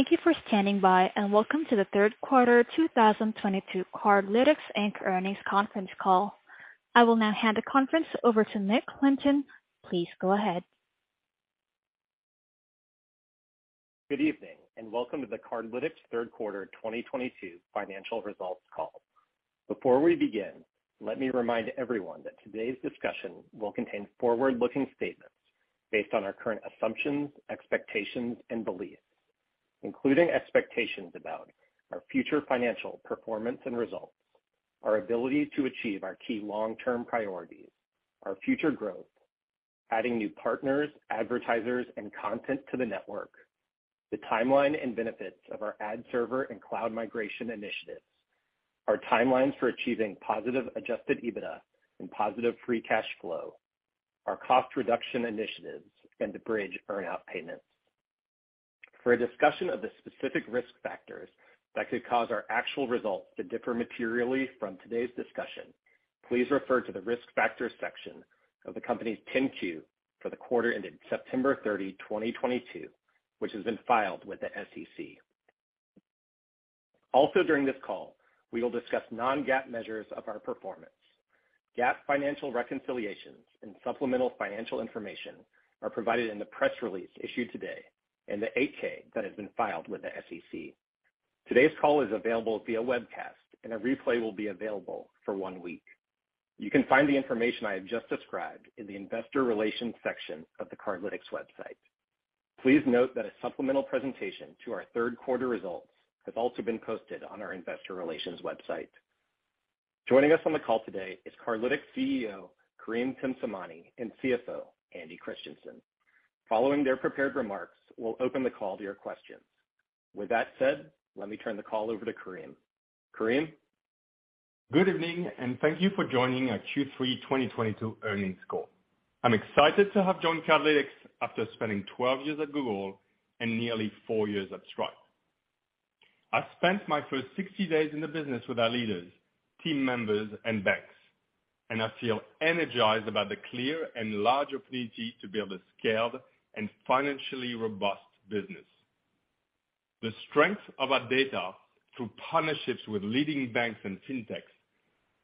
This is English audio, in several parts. Thank you for standing by, and welcome to the third quarter 2022 Cardlytics, Inc. earnings conference call. I will now hand the conference over to Nick Lynton. Please go ahead. Good evening, and welcome to the Cardlytics third quarter 2022 financial results call. Before we begin, let me remind everyone that today's discussion will contain forward-looking statements based on our current assumptions, expectations, and beliefs, including expectations about our future financial performance and results, our ability to achieve our key long-term priorities, our future growth, adding new partners, advertisers, and content to the network, the timeline and benefits of our ad server and cloud migration initiatives, our timelines for achieving positive adjusted EBITDA and positive free cash flow, our cost reduction initiatives, and the Bridg earnout payments. For a discussion of the specific risk factors that could cause our actual results to differ materially from today's discussion, please refer to the Risk Factors section of the company's 10-Q for the quarter ended September 30, 2022, which has been filed with the SEC. Also during this call, we will discuss non-GAAP measures of our performance. GAAP financial reconciliations and supplemental financial information are provided in the press release issued today and the 8-K that has been filed with the SEC. Today's call is available via webcast, and a replay will be available for one week. You can find the information I have just described in the investor relations section of the Cardlytics website. Please note that a supplemental presentation to our third quarter results has also been posted on our investor relations website. Joining us on the call today is Cardlytics CEO, Karim Temsamani, and CFO, Andy Christiansen. Following their prepared remarks, we'll open the call to your questions. With that said, let me turn the call over to Karim. Karim? Good evening, and thank you for joining our Q3 2022 earnings call. I'm excited to have joined Cardlytics after spending 12 years at Google and nearly four years at Stripe. I spent my first 60 days in the business with our leaders, team members, and banks, and I feel energized about the clear and large opportunity to build a scaled and financially robust business. The strength of our data through partnerships with leading banks and FinTechs,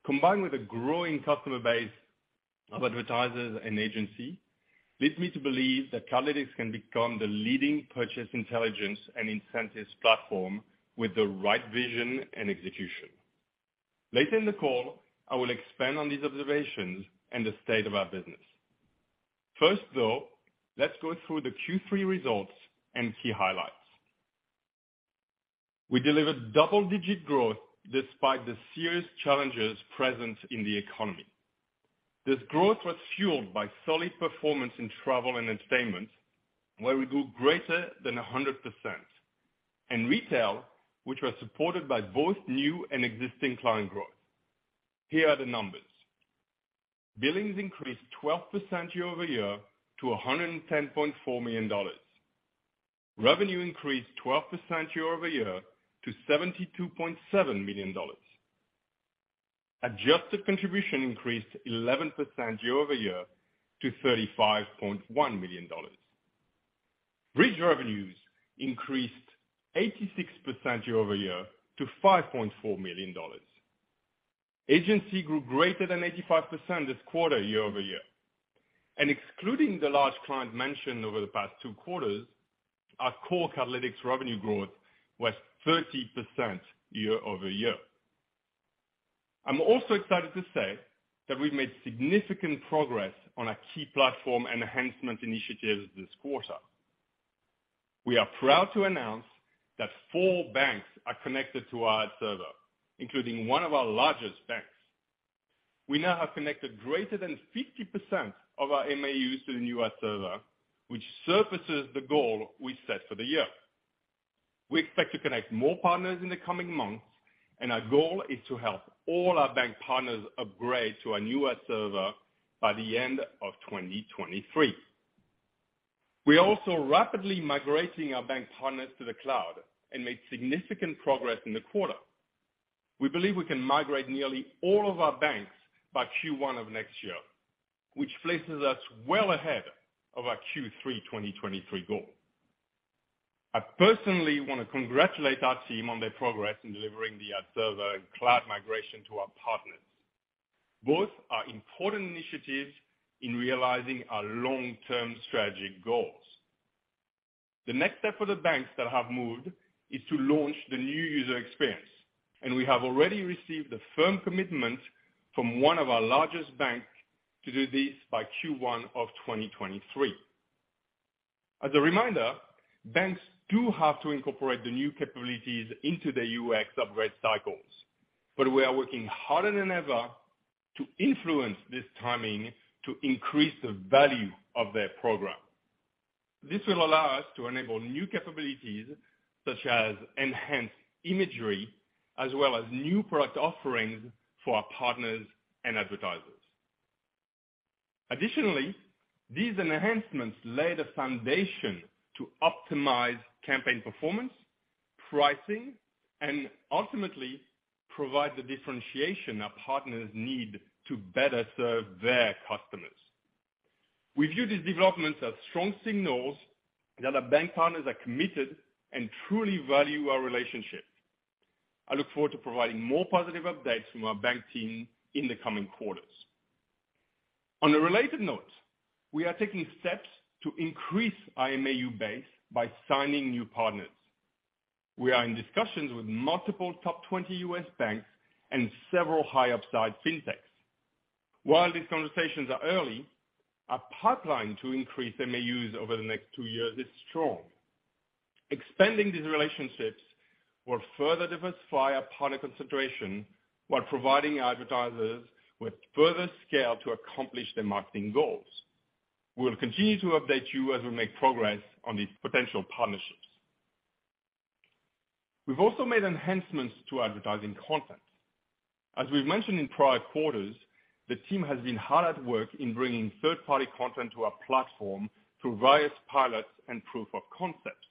combined with a growing customer base of advertisers and agency, leads me to believe that Cardlytics can become the leading purchase intelligence and incentives platform with the right vision and execution. Later in the call, I will expand on these observations and the state of our business. First, though, let's go through the Q3 results and key highlights. We delivered double-digit growth despite the serious challenges present in the economy. This growth was fueled by solid performance in travel and entertainment, where we grew greater than 100%, and retail, which was supported by both new and existing client growth. Here are the numbers. Billings increased 12% year-over-year to $110.4 million. Revenue increased 12% year-over-year to $72.7 million. Adjusted contribution increased 11% year-over-year to $35.1 million. Bridg revenues increased 86% year-over-year to $5.4 million. Agency grew greater than 85% this quarter year-over-year. Excluding the large client mentioned over the past two quarters, our core Cardlytics revenue growth was 30% year-over-year. I'm also excited to say that we've made significant progress on our key platform enhancement initiatives this quarter. We are proud to announce that four banks are connected to our ad server, including one of our largest banks. We now have connected greater than 50% of our MAUs to the new ad server, which surpasses the goal we set for the year. We expect to connect more partners in the coming months, and our goal is to help all our bank partners upgrade to our new ad server by the end of 2023. We're also rapidly migrating our bank partners to the cloud and made significant progress in the quarter. We believe we can migrate nearly all of our banks by Q1 of next year, which places us well ahead of our Q3 2023 goal. I personally wanna congratulate our team on their progress in delivering the ad server and cloud migration to our partners. Both are important initiatives in realizing our long-term strategic goals. The next step for the banks that have moved is to launch the new user experience, and we have already received a firm commitment from one of our largest banks to do this by Q1 of 2023. As a reminder, banks do have to incorporate the new capabilities into their UX upgrade cycles, but we are working harder than ever to influence this timing to increase the value of their program. This will allow us to enable new capabilities, such as enhanced imagery, as well as new product offerings for our partners and advertisers. Additionally, these enhancements lay the foundation to optimize campaign performance, pricing, and ultimately provide the differentiation our partners need to better serve their customers. We view these developments as strong signals that our bank partners are committed and truly value our relationship. I look forward to providing more positive updates from our bank team in the coming quarters. On a related note, we are taking steps to increase MAU base by signing new partners. We are in discussions with multiple top 20 U.S. banks and several high upside fintechs. While these conversations are early, our pipeline to increase MAUs over the next two years is strong. Expanding these relationships will further diversify our partner concentration while providing advertisers with further scale to accomplish their marketing goals. We'll continue to update you as we make progress on these potential partnerships. We've also made enhancements to advertising content. As we've mentioned in prior quarters, the team has been hard at work in bringing third-party content to our platform through various pilots and proof of concepts.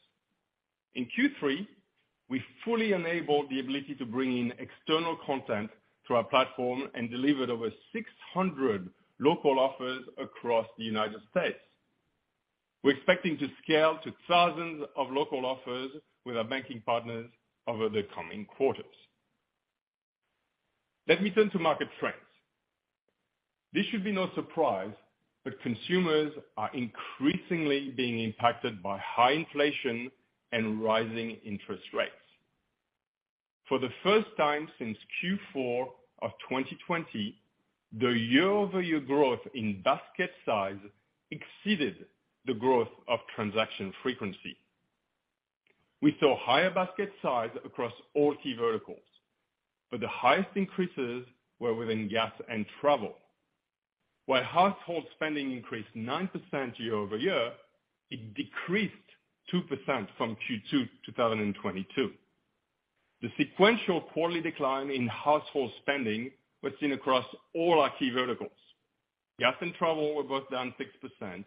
In Q3, we fully enabled the ability to bring in external content to our platform and delivered over 600 local offers across the United States. We're expecting to scale to thousands of local offers with our banking partners over the coming quarters. Let me turn to market trends. This should be no surprise, but consumers are increasingly being impacted by high inflation and rising interest rates. For the first time since Q4 of 2020, the year-over-year growth in basket size exceeded the growth of transaction frequency. We saw higher basket size across all key verticals, but the highest increases were within gas and travel. While household spending increased 9% year-over-year, it decreased 2% from Q2 2022. The sequential quarterly decline in household spending was seen across all our key verticals. Gas and travel were both down 6%,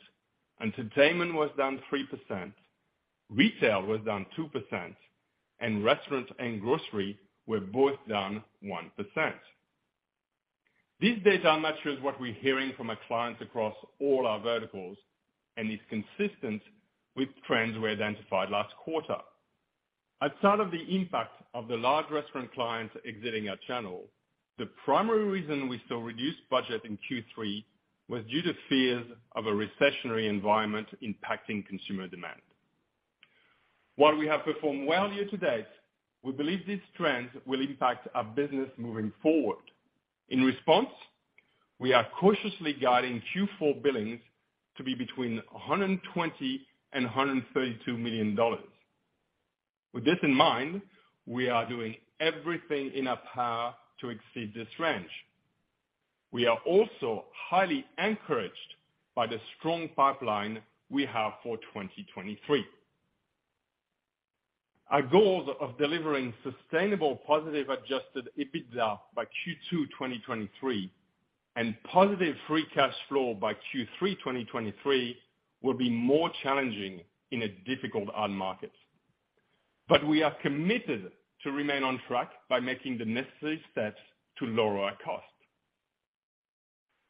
Entertainment was down 3%, retail was down 2%, and restaurants and grocery were both down 1%. These data matches what we're hearing from our clients across all our verticals and is consistent with trends we identified last quarter. Outside of the impact of the large restaurant clients exiting our channel, the primary reason we saw reduced budget in Q3 was due to fears of a recessionary environment impacting consumer demand. While we have performed well year-to-date, we believe these trends will impact our business moving forward. In response, we are cautiously guiding Q4 billings to be between $120 million and $132 million. With this in mind, we are doing everything in our power to exceed this range. We are also highly encouraged by the strong pipeline we have for 2023. Our goals of delivering sustainable positive adjusted EBITDA by Q2 2023 and positive free cash flow by Q3 2023 will be more challenging in a difficult ad market. We are committed to remain on track by making the necessary steps to lower our costs.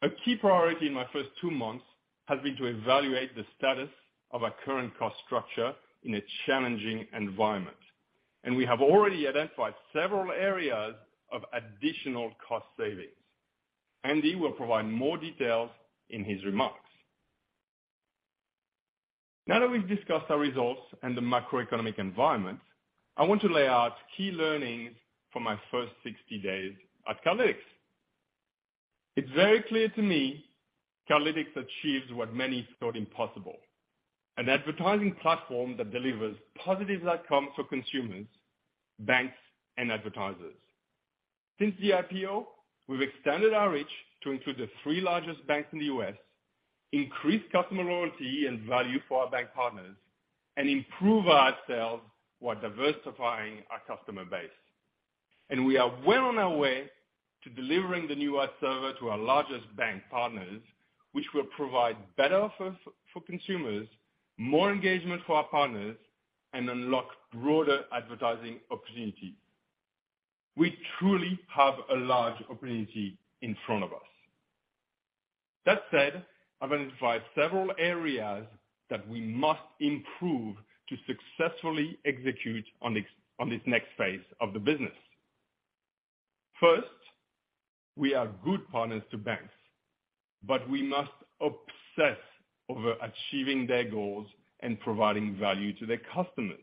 A key priority in my first 2 months has been to evaluate the status of our current cost structure in a challenging environment, and we have already identified several areas of additional cost savings. Andy will provide more details in his remarks. Now that we've discussed our results and the macroeconomic environment, I want to lay out key learnings from my first 60 days at Cardlytics. It's very clear to me, Cardlytics achieves what many thought impossible, an advertising platform that delivers positive outcomes for consumers, banks, and advertisers. Since the IPO, we've extended our reach to include the three largest banks in the U.S., increased customer loyalty and value for our bank partners, and improve our sales while diversifying our customer base. We are well on our way to delivering the new ad server to our largest bank partners, which will provide better offers for consumers, more engagement for our partners, and unlock broader advertising opportunities. We truly have a large opportunity in front of us. That said, I've identified several areas that we must improve to successfully execute on this next phase of the business. First, we are good partners to banks, but we must obsess over achieving their goals and providing value to their customers.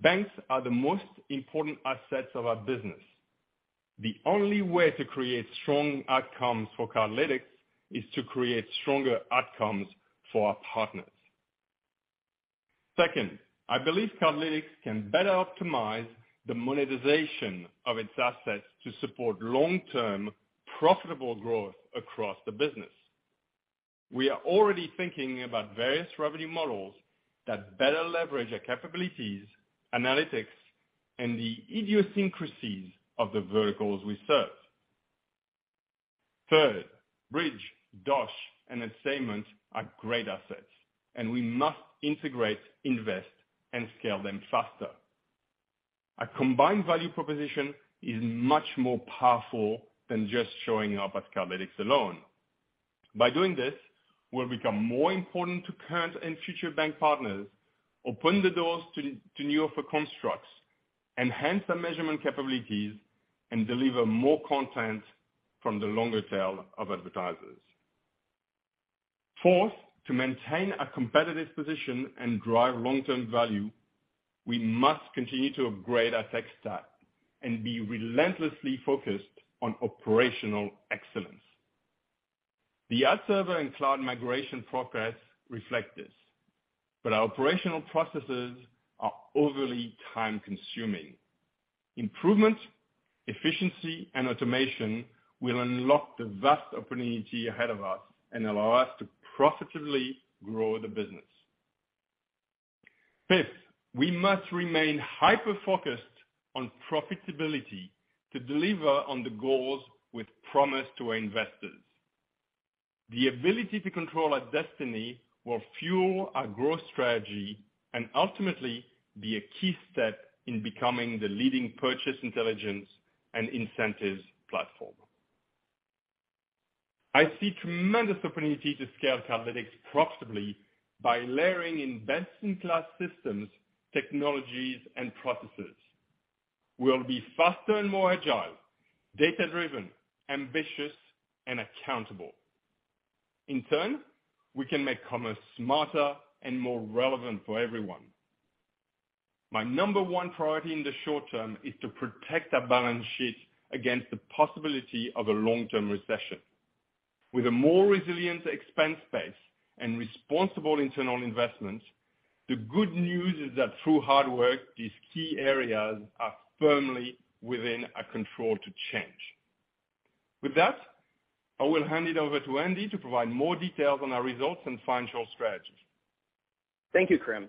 Banks are the most important assets of our business. The only way to create strong outcomes for Cardlytics is to create stronger outcomes for our partners. Second, I believe Cardlytics can better optimize the monetization of its assets to support long-term profitable growth across the business. We are already thinking about various revenue models that better leverage our capabilities, analytics, and the idiosyncrasies of the verticals we serve. Third, Bridg, Dosh, and Entertainment are great assets, and we must integrate, invest, and scale them faster. A combined value proposition is much more powerful than just showing up at Cardlytics alone. By doing this, we'll become more important to current and future bank partners, open the doors to new offer constructs, enhance the measurement capabilities, and deliver more content from the longer tail of advertisers. Fourth, to maintain a competitive position and drive long-term value, we must continue to upgrade our tech stack and be relentlessly focused on operational excellence. The ad server and cloud migration progress reflect this, but our operational processes are overly time-consuming. Improvement, efficiency, and automation will unlock the vast opportunity ahead of us and allow us to profitably grow the business. Fifth, we must remain hyper-focused on profitability to deliver on the goals we've promised to our investors. The ability to control our destiny will fuel our growth strategy and ultimately be a key step in becoming the leading purchase intelligence and incentives platform. I see tremendous opportunity to scale Cardlytics profitably by layering in best-in-class systems, technologies, and processes. We'll be faster and more agile, data-driven, ambitious, and accountable. In turn, we can make commerce smarter and more relevant for everyone. My number one priority in the short term is to protect our balance sheet against the possibility of a long-term recession. With a more resilient expense base and responsible internal investments, the good news is that through hard work, these key areas are firmly within our control to change. With that, I will hand it over to Andy to provide more details on our results and financial strategy. Thank you, Karim.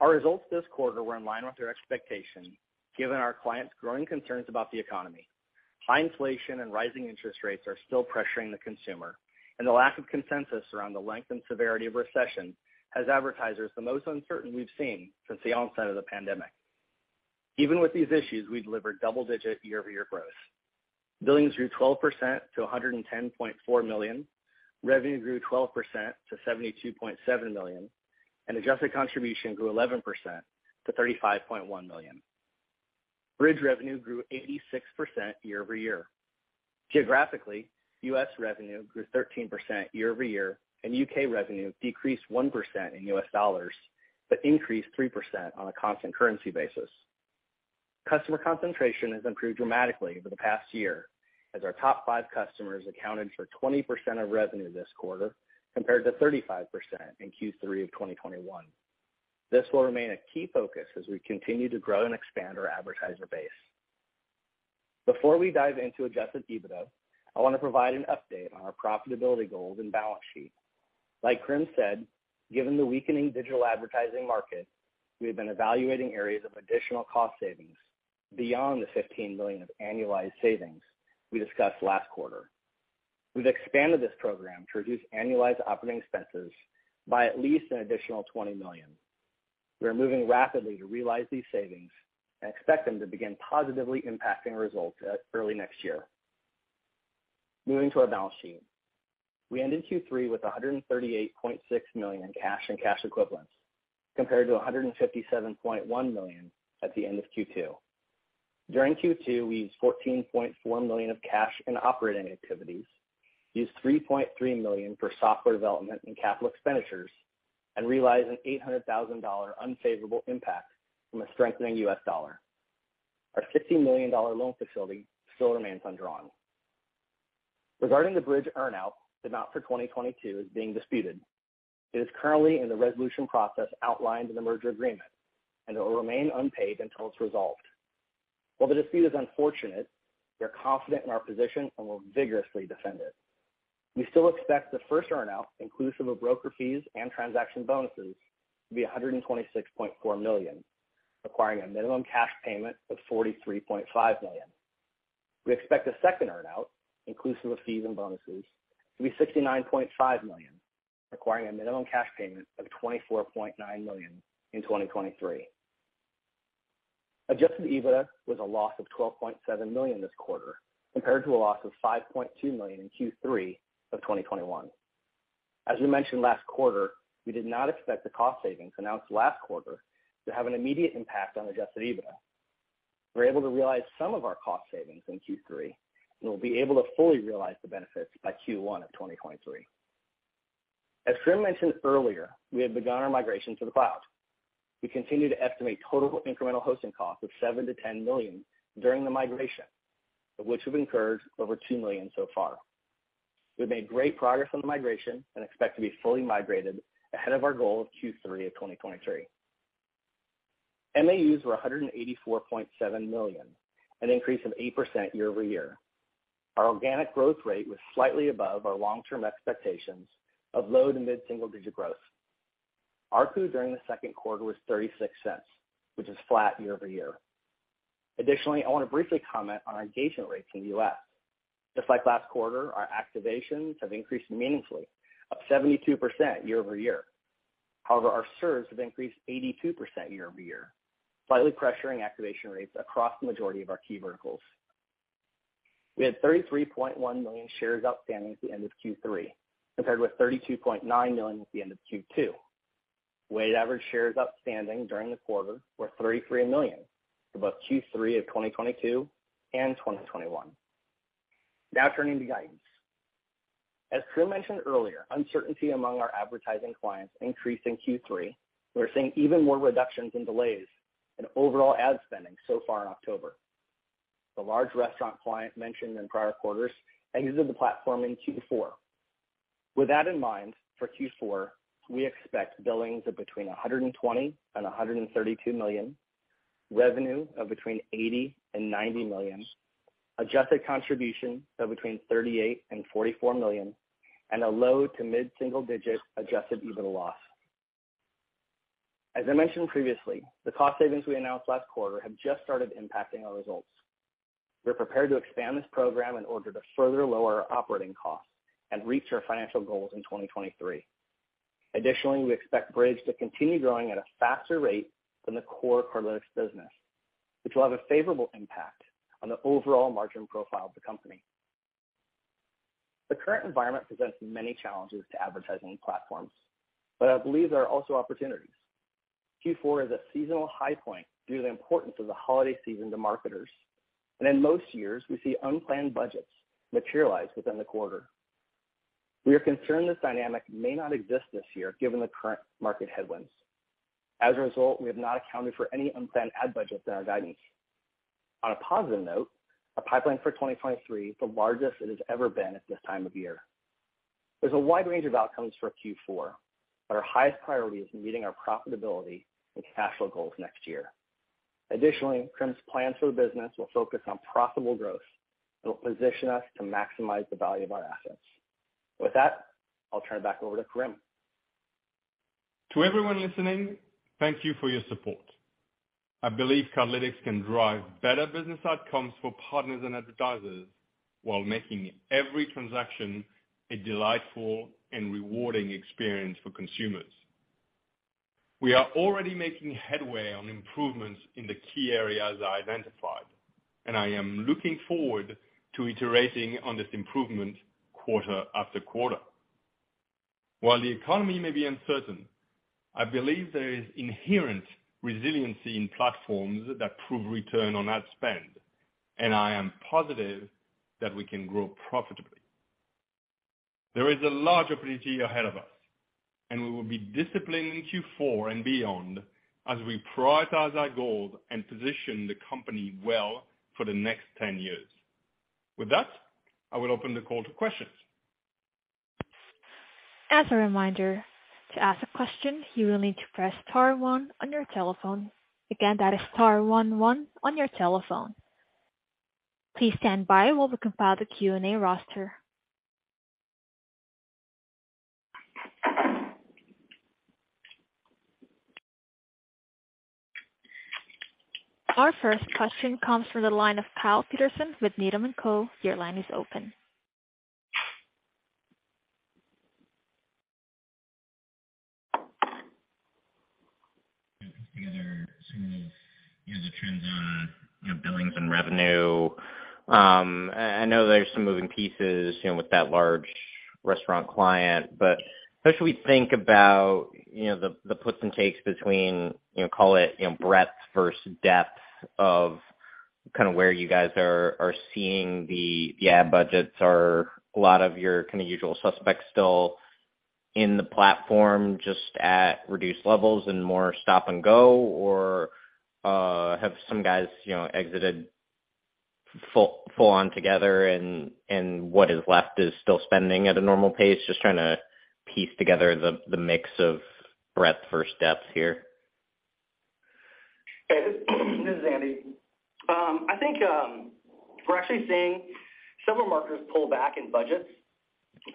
Our results this quarter were in line with your expectations, given our clients' growing concerns about the economy. High inflation and rising interest rates are still pressuring the consumer, and the lack of consensus around the length and severity of recession has left advertisers the most uncertain we've seen since the onset of the pandemic. Even with these issues, we delivered double-digit year-over-year growth. Billings grew 12% to $110.4 million. Revenue grew 12% to $72.7 million, and adjusted contribution grew 11% to $35.1 million. Bridg revenue grew 86% year-over-year. Geographically, U.S. revenue grew 13% year-over-year, and UK revenue decreased 1% in U.S. dollars, but increased 3% on a constant currency basis. Customer concentration has improved dramatically over the past year as our top five customers accounted for 20% of revenue this quarter, compared to 35% in Q3 of 2021. This will remain a key focus as we continue to grow and expand our advertiser base. Before we dive into adjusted EBITDA, I wanna provide an update on our profitability goals and balance sheet. Like Karim said, given the weakening digital advertising market, we have been evaluating areas of additional cost savings beyond the $15 million of annualized savings we discussed last quarter. We've expanded this program to reduce annualized operating expenses by at least an additional $20 million. We are moving rapidly to realize these savings and expect them to begin positively impacting results early next year. Moving to our balance sheet. We ended Q3 with $138.6 million in cash and cash equivalents, compared to $157.1 million at the end of Q2. During Q2, we used $14.4 million of cash in operating activities, used $3.3 million for software development and capital expenditures, and realized an $800,000 unfavorable impact from a strengthening U.S. dollar. Our $50 million loan facility still remains undrawn. Regarding the Bridg earnout, the amount for 2022 is being disputed. It is currently in the resolution process outlined in the merger agreement, and it will remain unpaid until it's resolved. While the dispute is unfortunate, we are confident in our position and will vigorously defend it. We still expect the first earnout, inclusive of broker fees and transaction bonuses, to be $126.4 million, requiring a minimum cash payment of $43.5 million. We expect the second earnout, inclusive of fees and bonuses, to be $69.5 million, requiring a minimum cash payment of $24.9 million in 2023. Adjusted EBITDA was a loss of $12.7 million this quarter, compared to a loss of $5.2 million in Q3 of 2021. We mentioned last quarter, we did not expect the cost savings announced last quarter to have an immediate impact on adjusted EBITDA. We were able to realize some of our cost savings in Q3, and we'll be able to fully realize the benefits by Q1 of 2023. Karim mentioned earlier, we have begun our migration to the cloud. We continue to estimate total incremental hosting costs of $7-$10 million during the migration, of which we've incurred over $2 million so far. We've made great progress on the migration and expect to be fully migrated ahead of our goal of Q3 of 2023. MAUs were 184.7 million, an increase of 8% year-over-year. Our organic growth rate was slightly above our long-term expectations of low to mid-single digit growth. ARPU during the second quarter was $0.36, which is flat year-over-year. Additionally, I wanna briefly comment on our engagement rates in the U.S. Just like last quarter, our activations have increased meaningfully, up 72% year-over-year. However, our serves have increased 82% year-over-year, slightly pressuring activation rates across the majority of our key verticals. We had 33.1 million shares outstanding at the end of Q3, compared with 32.9 million at the end of Q2. Weighted average shares outstanding during the quarter were 33 million for both Q3 of 2022 and 2021. Now turning to guidance. As Karim mentioned earlier, uncertainty among our advertising clients increased in Q3. We're seeing even more reductions and delays in overall ad spending so far in October. The large restaurant client mentioned in prior quarters exited the platform in Q4. With that in mind, for Q4, we expect billings of between $120 million and $132 million, revenue of between $80 million and $90 million, adjusted contribution of between $38 million and $44 million, and a low- to mid-single-digit adjusted EBITDA loss. As I mentioned previously, the cost savings we announced last quarter have just started impacting our results. We're prepared to expand this program in order to further lower our operating costs and reach our financial goals in 2023. Additionally, we expect Bridg to continue growing at a faster rate than the core Cardlytics business, which will have a favorable impact on the overall margin profile of the company. The current environment presents many challenges to advertising platforms, but I believe there are also opportunities. Q4 is a seasonal high point due to the importance of the holiday season to marketers, and in most years, we see unplanned budgets materialize within the quarter. We are concerned this dynamic may not exist this year given the current market headwinds. As a result, we have not accounted for any unplanned ad budgets in our guidance. On a positive note, our pipeline for 2023 is the largest it has ever been at this time of year. There's a wide range of outcomes for Q4, but our highest priority is meeting our profitability and cash flow goals next year. Additionally, Karim's plans for the business will focus on profitable growth that will position us to maximize the value of our assets. With that, I'll turn it back over to Karim. To everyone listening, thank you for your support. I believe Cardlytics can drive better business outcomes for partners and advertisers while making every transaction a delightful and rewarding experience for consumers. We are already making headway on improvements in the key areas I identified, and I am looking forward to iterating on this improvement quarter after quarter. While the economy may be uncertain, I believe there is inherent resiliency in platforms that prove return on ad spend, and I am positive that we can grow profitably. There is a large opportunity ahead of us, and we will be disciplined in Q4 and beyond as we prioritize our goals and position the company well for the next ten years. With that, I will open the call to questions. As a reminder, to ask a question, you will need to press star one on your telephone. Again, that is star one one on your telephone. Please stand by while we compile the Q&A roster. Our first question comes from the line of Kyle Peterson with Needham & Company. Your line is open. Together some of, you know, the trends on, you know, billings and revenue. I know there's some moving pieces, you know, with that large restaurant client, but how should we think about, you know, the puts and takes between, you know, call it, you know, breadth versus depth of kind of where you guys are seeing the ad budgets? Are a lot of your kind of usual suspects still in the platform just at reduced levels and more stop and go? Or, have some guys, you know, exited full-on altogether and what is left is still spending at a normal pace? Just trying to piece together the mix of breadth versus depth here. Hey, this is Andy. I think we're actually seeing several marketers pull back in budgets.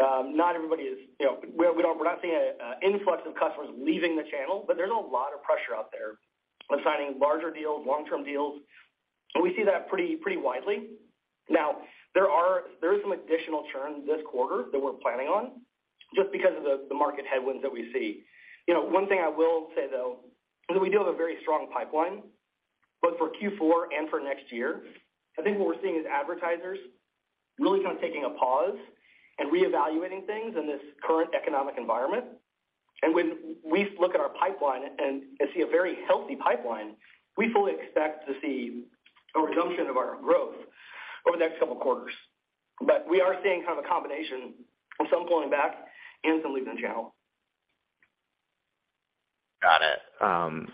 Not everybody is, you know, we don't—We're not seeing an influx of customers leaving the channel, but there's a lot of pressure out there on signing larger deals, long-term deals, and we see that pretty widely. There is some additional churn this quarter that we're planning on just because of the market headwinds that we see. You know, one thing I will say, though, is that we do have a very strong pipeline, both for Q4 and for next year. I think what we're seeing is advertisers really kind of taking a pause and reevaluating things in this current economic environment. when we look at our pipeline and see a very healthy pipeline, we fully expect to see a resumption of our growth over the next couple quarters. We are seeing kind of a combination of some pulling back and some leaving the channel. Got it.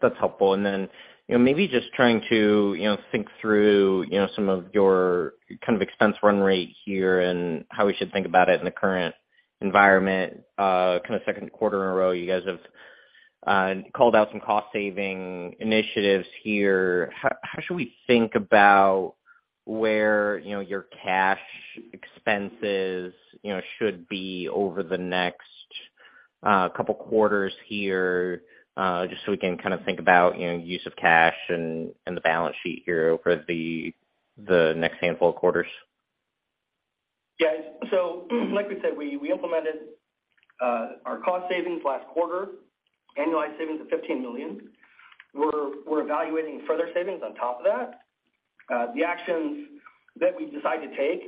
That's helpful. Then, you know, maybe just trying to, you know, think through, you know, some of your kind of expense run rate here and how we should think about it in the current environment. Kind of second quarter in a row, you guys have called out some cost saving initiatives here. How should we think about where, you know, your cash expenses, you know, should be over the next couple quarters here? Just so we can kind of think about, you know, use of cash and the balance sheet here over the next handful of quarters. Yes. Like we said, we implemented our cost savings last quarter, annualized savings of $15 million. We're evaluating further savings on top of that. The actions that we decide to take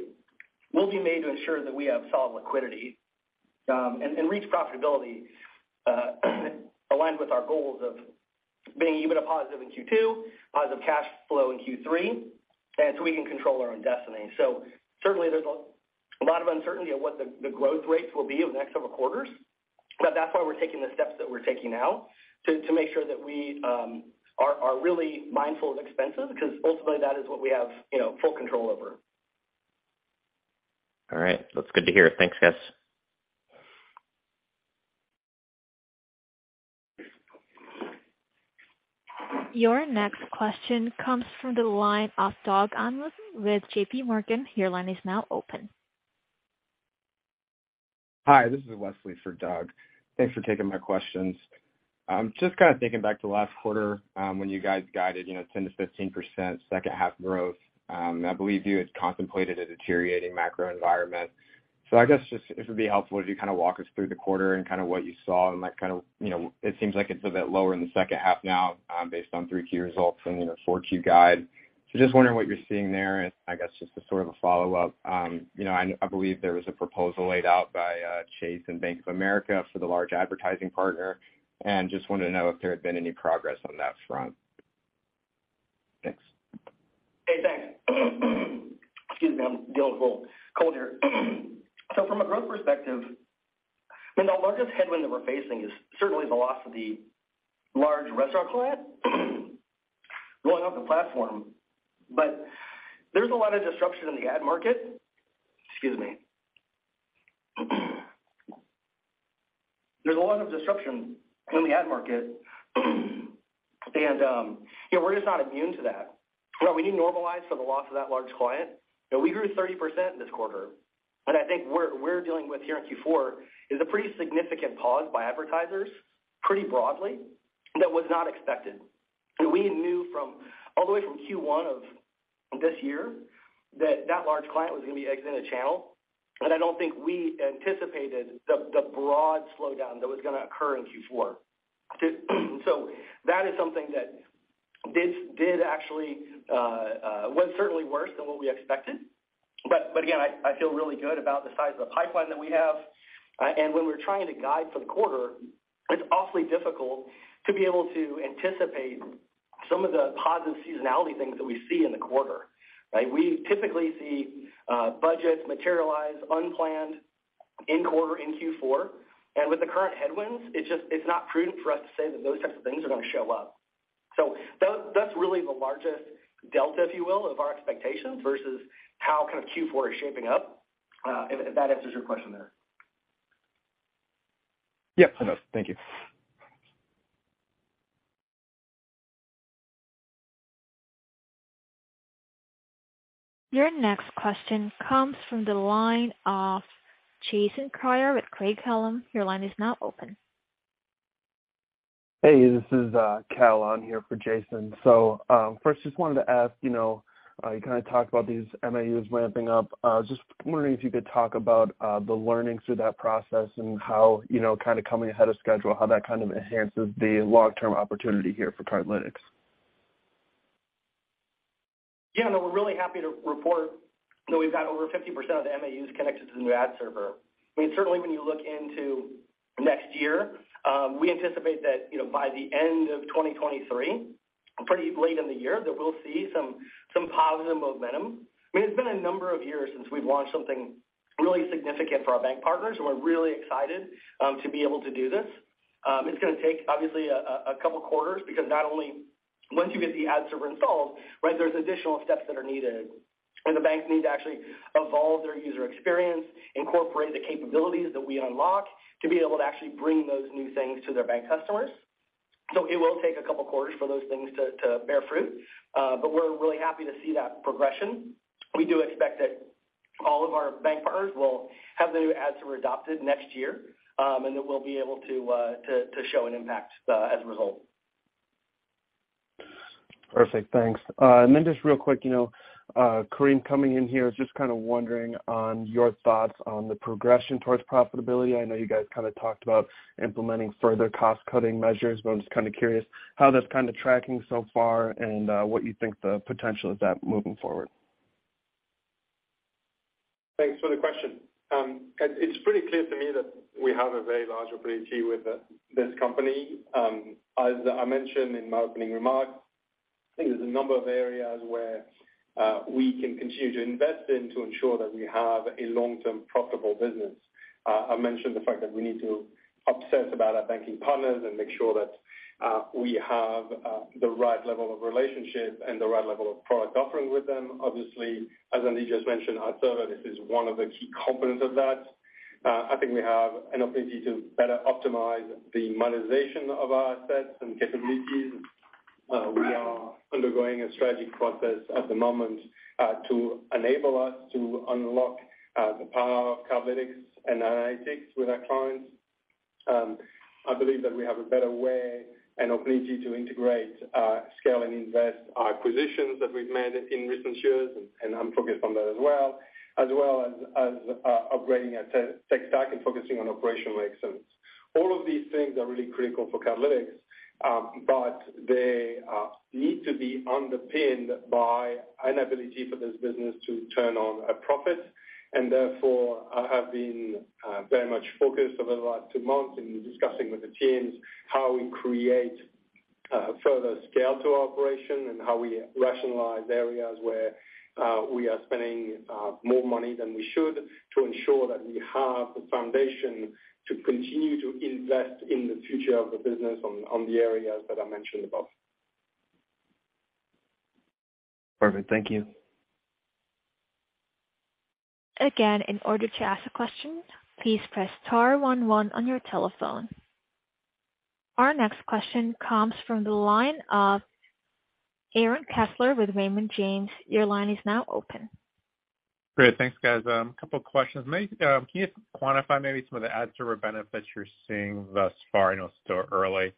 will be made to ensure that we have solid liquidity and reach profitability aligned with our goals of being EBITDA positive in Q2, positive cash flow in Q3, and we can control our own destiny. Certainly there's a lot of uncertainty of what the growth rates will be over the next several quarters. That's why we're taking the steps that we're taking now to make sure that we are really mindful of expenses because ultimately that is what we have, you know, full control over. All right. That's good to hear. Thanks, guys. Your next question comes from the line of Doug Anmuth with J.P. Morgan. Your line is now open. Hi, this is Wesley for Doug. Thanks for taking my questions. Just kind of thinking back to last quarter, when you guys guided, you know, 10%-15% second half growth. I believe you had contemplated a deteriorating macro environment. I guess just if it'd be helpful if you kind of walk us through the quarter and kind of what you saw and like kind of, you know, it seems like it's a bit lower in the second half now, based on 3Q results and, you know, four Q guide. Just wondering what you're seeing there. I guess just as sort of a follow-up, you know, I believe there was a proposal laid out by Chase and Bank of America for the large advertising partner. Just wanted to know if there had been any progress on that front. Thanks. Hey, thanks. Excuse me. I'm dealing with a little cold here. From a growth perspective, I mean the largest headwind that we're facing is certainly the loss of the large restaurant client going off the platform. There's a lot of disruption in the ad market. You know, we're just not immune to that. You know, we need to normalize for the loss of that large client. You know, we grew 30% this quarter, but I think we're dealing with here in Q4 is a pretty significant pause by advertisers pretty broadly that was not expected. We knew from all the way from Q1 of this year that that large client was gonna be exiting the channel. I don't think we anticipated the broad slowdown that was gonna occur in Q4. That is something that actually was certainly worse than what we expected. Again, I feel really good about the size of the pipeline that we have. When we're trying to guide for the quarter, it's awfully difficult to be able to anticipate some of the positive seasonality things that we see in the quarter, right? We typically see budgets materialize unplanned in quarter in Q4. With the current headwinds, it's just not prudent for us to say that those types of things are gonna show up. That's really the largest delta, if you will, of our expectations versus how kind of Q4 is shaping up, if that answers your question there. Yes, it does. Thank you. Your next question comes from the line of Jason Kreyer with Craig-Hallum. Your line is now open. Hey, this is Cal. I'm here for Jason. First just wanted to ask, you know, you kinda talked about these MAUs ramping up. Just wondering if you could talk about the learnings through that process and how, you know, kind of coming ahead of schedule, how that kind of enhances the long-term opportunity here for Cardlytics? Yeah, no, we're really happy to report that we've got over 50% of the MAUs connected to the new ad server. I mean, certainly when you look into next year, we anticipate that, you know, by the end of 2023, pretty late in the year, that we'll see some positive momentum. I mean, it's been a number of years since we've launched something really significant for our bank partners. We're really excited to be able to do this. It's gonna take obviously a couple quarters because not only once you get the ad server installed, right, there's additional steps that are needed. The banks need to actually evolve their user experience, incorporate the capabilities that we unlock to be able to actually bring those new things to their bank customers. It will take a couple quarters for those things to bear fruit. We're really happy to see that progression. We do expect that all of our bank partners will have the new ad server adopted next year, and that we'll be able to show an impact as a result. Perfect. Thanks. Just real quick, you know, Karim coming in here is just kind of wondering on your thoughts on the progression towards profitability. I know you guys kind of talked about implementing further cost-cutting measures, but I'm just kind of curious how that's kind of tracking so far and what you think the potential of that moving forward. Thanks for the question. It's pretty clear to me that we have a very large opportunity with this company. As I mentioned in my opening remarks, I think there's a number of areas where we can continue to invest in to ensure that we have a long-term profitable business. I mentioned the fact that we need to obsess about our banking partners and make sure that we have the right level of relationship and the right level of product offering with them. Obviously, as Andy just mentioned, our service, this is one of the key components of that. I think we have an opportunity to better optimize the monetization of our assets and capabilities. We are undergoing a strategy process at the moment to enable us to unlock the power of Cardlytics and analytics with our clients. I believe that we have a better way and opportunity to integrate, scale and invest acquisitions that we've made in recent years, and I'm focused on that as well as upgrading our tech stack and focusing on operational excellence. All of these things are really critical for Cardlytics, but they need to be underpinned by an ability for this business to turn a profit. Therefore, I have been very much focused over the last two months in discussing with the teams how we create further scale to our operation and how we rationalize areas where we are spending more money than we should to ensure that we have the foundation to continue to invest in the future of the business on the areas that I mentioned above. Perfect. Thank you. Again, in order to ask a question, please press star one one on your telephone. Our next question comes from the line of Aaron Kessler with Raymond James. Your line is now open. Great. Thanks, guys. A couple of questions. Can you quantify maybe some of the ad server benefits you're seeing thus far? I know it's still early.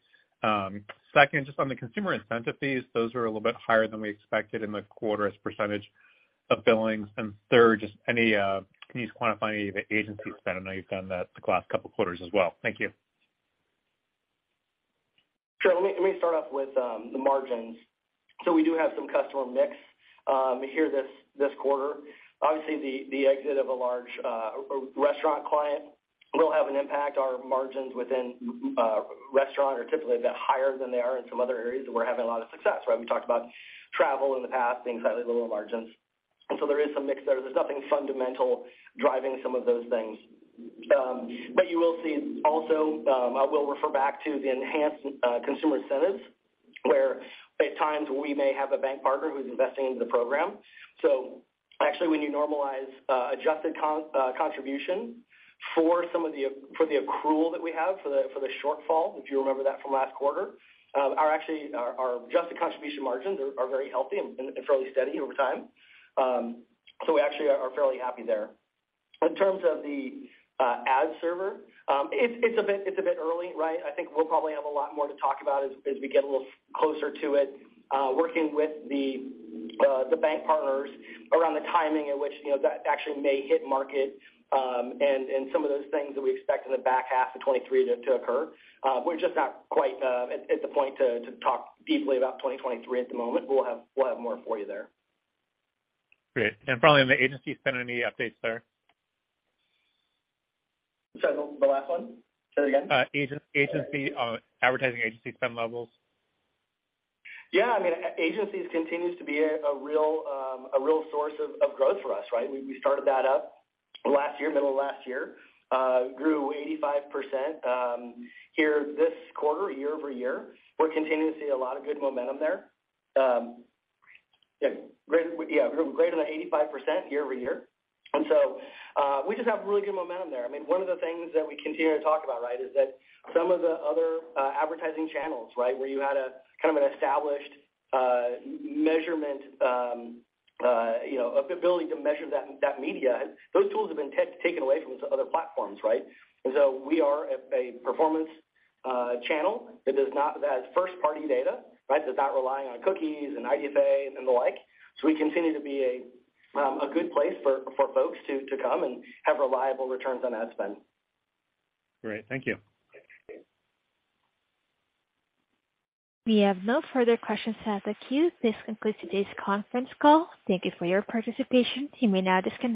Second, just on the consumer incentive fees, those are a little bit higher than we expected in the quarter as percentage of billings. Third, just any, can you quantify any of the agency spend? I know you've done that the last couple of quarters as well. Thank you. Sure. Let me start off with the margins. We do have some customer mix here this quarter. Obviously, the exit of a large restaurant client will have an impact. Our margins within restaurant are typically a bit higher than they are in some other areas that we're having a lot of success, right? We talked about travel in the past being slightly lower margins. There is some mix there. There's nothing fundamental driving some of those things. You will see also, I will refer back to the enhanced consumer incentives, where at times we may have a bank partner who's investing into the program. Actually, when you normalize adjusted contribution for the accrual that we have for the shortfall, if you remember that from last quarter, our adjusted contribution margins are very healthy and fairly steady over time. We actually are fairly happy there. In terms of the ad server, it's a bit early, right? I think we'll probably have a lot more to talk about as we get a little closer to it, working with the bank partners around the timing at which, you know, that actually may hit market, and some of those things that we expect in the back half of 2023 to occur. We're just not quite at the point to talk deeply about 2023 at the moment. We'll have more for you there. Great. Finally, on the agency spend, any updates there? Sorry, the last one? Say that again. Advertising agency spend levels. Yeah. I mean, agencies continues to be a real source of growth for us, right? We started that up last year, middle of last year. Grew 85% here this quarter, year-over-year. We're continuing to see a lot of good momentum there. Yeah, grew greater than 85% year-over-year. We just have really good momentum there. I mean, one of the things that we continue to talk about, right, is that some of the other advertising channels, right, where you had a kind of an established measurement, you know, ability to measure that media, those tools have been taken away from some other platforms, right? We are a performance channel that has first-party data, right? That's not relying on cookies and IDFA and the like. We continue to be a good place for folks to come and have reliable returns on ad spend. Great. Thank you. We have no further questions at the queue. This concludes today's conference call. Thank you for your participation. You may now disconnect.